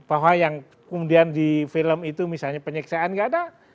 bahwa yang kemudian di film itu misalnya penyiksaan nggak ada